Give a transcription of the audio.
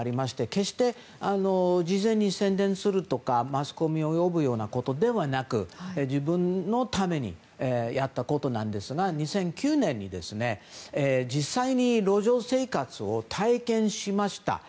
決して事前に宣伝するとかマスコミを呼ぶということではなく自分のためにやったことなんですが２００９年に実際に路上生活を体験しました。